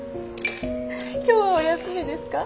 今日はお休みですか？